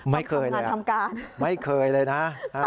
ไม่เคยเลยนะไม่เคยเลยนะ